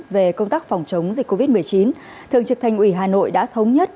về công tác phòng chống dịch covid một mươi chín thường trực thành ủy hà nội đã thống nhất